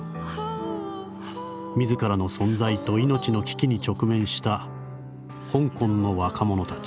「自らの存在と命の危機に直面した香港の若者たち。